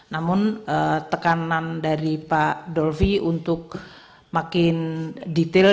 namun tekanan dari pak dolvi untuk makin detail